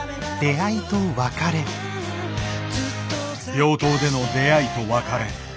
病棟での出会いと別れ。